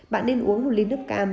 bạn nên uống một ly nước cam